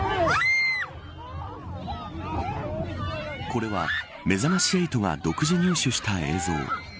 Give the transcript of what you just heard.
これはめざまし８が独自入手した映像。